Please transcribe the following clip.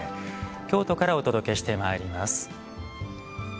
京都からお届けしてまいります。